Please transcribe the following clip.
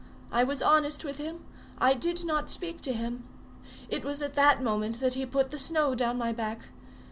I was honest with him; I did not speak to him. It was at that moment that he put the snow down my back.